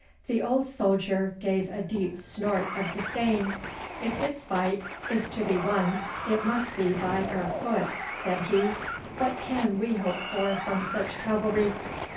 The old soldier gave a deep snort of disdain. 'If this fight is to be won it must be by our foot,' said he; 'what can we hope for from such cavalry?